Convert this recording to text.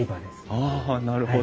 ああなるほど。